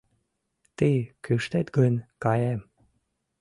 Тый кӱштет гын, каем.